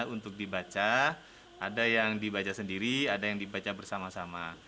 untuk dibaca ada yang dibaca sendiri ada yang dibaca bersama sama